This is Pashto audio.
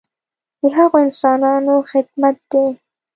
د هغو انسانانو خدمت دی.